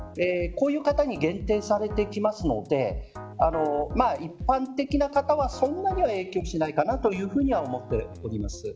こういう方に限定されてきますので一般的な方はそんなには影響しないかなというふうには思っております。